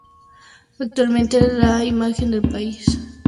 Actualmente la imagen del país se reduce a un lugar de narcos y violencia.